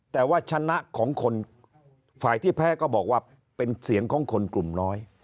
แต่ว่าชนะของคนฝ่ายที่แพ้ก็บอกว่าเป็นเสียงของคนกลุ่มน้อย